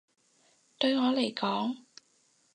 對我嚟講